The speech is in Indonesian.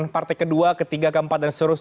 partai kedua ketiga keempat dan seterusnya